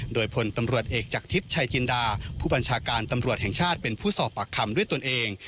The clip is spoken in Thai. โดยพลตำรวจเอกจากทิพย์ชายจินดาผู้บัญชาการตำรวจแห่งชาติเป็นผู้สอบปากคำด้วยตนเอง